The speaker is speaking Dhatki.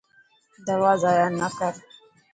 دوا زايا نا ڪر.